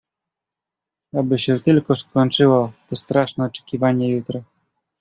"Aby się tylko skończyło to straszne oczekiwanie jutra!"